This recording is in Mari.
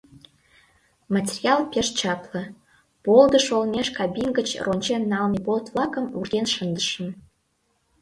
Материал пеш чапле, полдыш олмеш кабин гыч рончен налме болт-влакым урген шындышым.